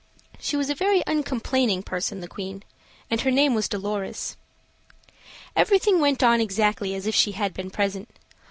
She was a very uncomplaining person, the Queen and her name was Dolorez. Everything went on exactly as if she had been present.